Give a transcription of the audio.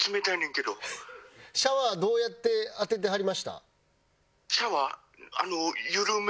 シャワーどうやって当ててはりました？